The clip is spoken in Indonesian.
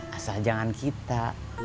asal jangan kita